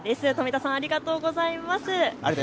冨田さん、ありがとうございます。